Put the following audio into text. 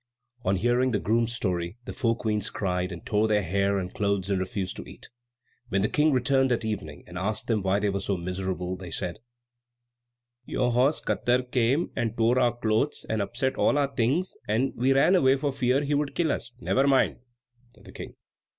On hearing the groom's story the four Queens cried, and tore their hair and clothes, and refused to eat. When the King returned at evening and asked them why they were so miserable, they said, "Your horse Katar came and tore our clothes, and upset all our things, and we ran away for fear he should kill us." "Never mind," said the King.